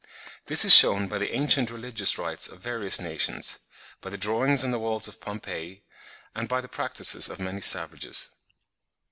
This is shewn by the ancient religious rites of various nations, by the drawings on the walls of Pompeii, and by the practices of many savages.